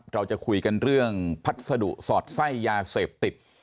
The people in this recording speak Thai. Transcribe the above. เราจะคุยกันเรื่องพัสดุสอดไส้ยาเสพติด